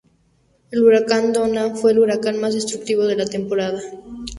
El huracán Donna fue el huracán más destructivo de la temporada.